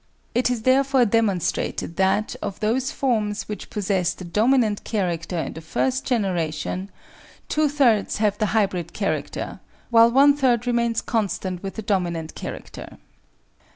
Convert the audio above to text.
It is therefore demonstrated that, of those forms which possess the dominant character in the first generation, two thirds have the hybrid character, while one third remains constant with the dominant character.